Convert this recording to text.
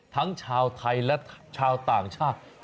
ทั้งชาวไทยและชาวต่างชาติ